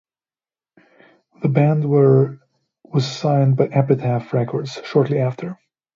The band were was signed by Epitaph Records shortly after.